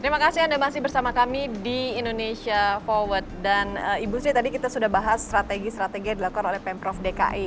terima kasih anda masih bersama kami di indonesia forward dan ibu sri tadi kita sudah bahas strategi strategi yang dilakukan oleh pemprov dki